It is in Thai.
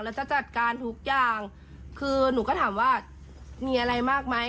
แล้วจะจัดการทุกอย่างคือหนูก็ถามว่ามีอะไรมากไหม